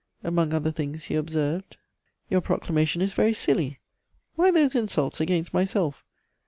Among other things he observed: "'Your proclamation is very silly; why those insults against myself?